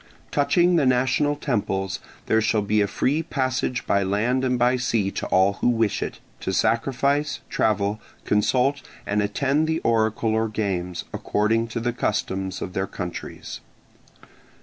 Touching the national temples, there shall be a free passage by land and by sea to all who wish it, to sacrifice, travel, consult, and attend the oracle or games, according to the customs of their countries.